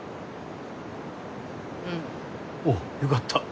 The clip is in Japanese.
うん。おっよかった。